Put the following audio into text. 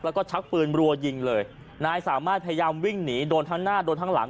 แล้วก็ชักปืนรัวยิงเลยนายสามารถพยายามวิ่งหนีโดนทั้งหน้าโดนทั้งหลัง